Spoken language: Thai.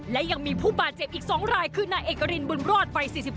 และยังมีผู้บาดเจ็บอีก๒รายคือนายเอกรินบุญรอดวัย๔๒